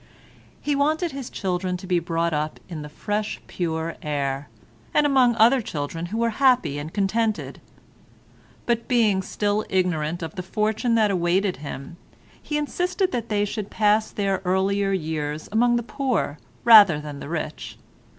He wanted his children to be brought up in the fresh pure air, and among other children who were happy and contented; but being still ignorant of the fortune that awaited him, he insisted that they should pass their earlier years among the poor rather than the rich.